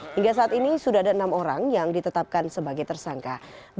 hingga saat ini sudah ada enam orang yang ditetapkan sebagai tersangka